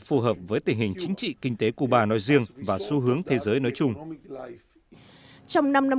phù hợp với tình hình chính trị kinh tế cuba nói riêng và xu hướng thế giới nói chung trong năm năm